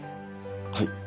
はい？